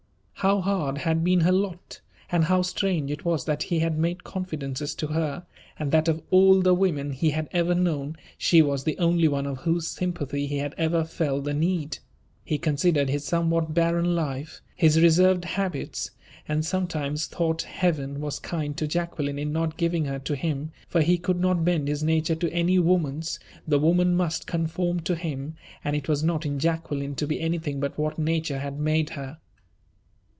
How hard had been her lot; and how strange it was that he had made confidences to her, and that, of all the women he had ever known, she was the only one of whose sympathy he had ever felt the need! He considered his somewhat barren life his reserved habits and sometimes thought Heaven was kind to Jacqueline in not giving her to him, for he could not bend his nature to any woman's the woman must conform to him; and it was not in Jacqueline to be anything but what Nature had made her.